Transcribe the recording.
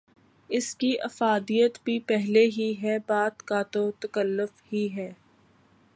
اس کی افادیت بھی پہلے ہی ہے، بعد کا تو تکلف ہی ہے۔